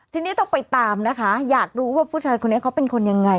ทีนี้ต้องไปตามนะคะอยากรู้ว่าผู้ชายคนนี้เขาเป็นคนยังไง